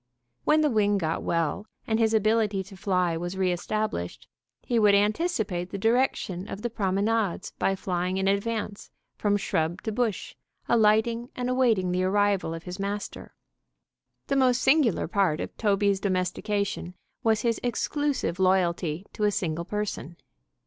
When the wing got well, and his ability to fly was re established, he would anticipate the direction of the promenades by flying in advance from shrub to bush, alighting and awaiting the arrival of his master. The most singular part of Toby's domestication was his exclusive loyalty to a single person.